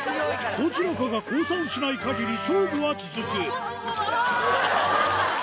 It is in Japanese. どちらかが降参しない限り勝負は続くおぉ！